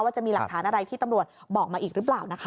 จะมีหลักฐานอะไรที่ตำรวจบอกมาอีกหรือเปล่านะคะ